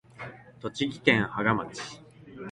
栃木県芳賀町